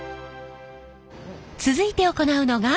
続いて行うのが。